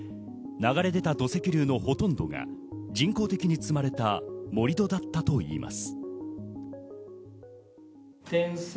流れ出た土石流のほとんどが人工的に積まれた盛り土だったといいます。